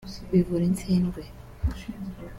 bivura isindwe